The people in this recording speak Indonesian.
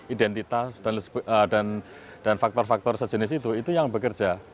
identitas dan faktor faktor sejenis itu itu yang bekerja